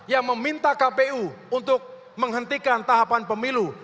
yang meminta kpu untuk menghentikan tahapan pemilu